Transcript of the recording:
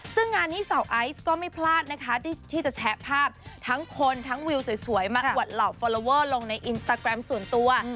ซึ่งงานนี้สาวไอซ์ก็ไม่พลาดนะคะที่จะแชะภาพทั้งคนทั้งวิวสวยมาอวดเหล่าฟอลลอเวอร์ลงในอินสตาแกรมส่วนตัว